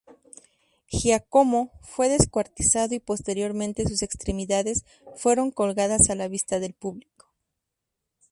Giacomo fue descuartizado, y posteriormente sus extremidades fueron colgadas a la vista del público.